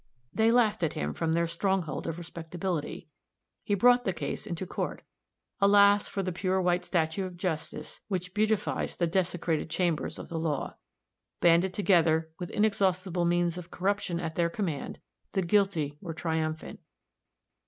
They laughed at him from their stronghold of respectability. He brought the case into court. Alas! for the pure, white statue of Justice which beautifies the desecrated chambers of the law. Banded together, with inexhaustible means of corruption at their command, the guilty were triumphant.